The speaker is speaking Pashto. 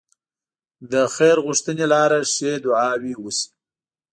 د خير غوښتنې لاره ښې دعاوې وشي.